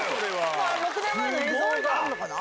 ６年前の映像があるのかな？